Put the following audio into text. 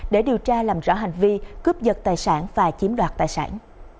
để điều tra làm rõ hành vi cướp giật tài sản và chiếm đoạt tài sản